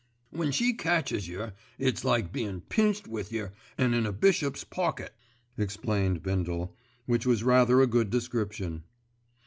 "When she catches yer it's like bein' pinched wi' yer 'and in a bishop's pocket," explained Bindle, which was rather a good description.